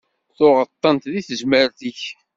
Tuɣeḍ-tent deg tezmert-ik.